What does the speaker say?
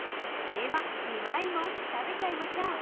［ではうまい物食べちゃいましょう］